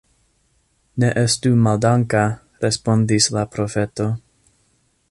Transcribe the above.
Ne estu maldanka, respondis la profeto.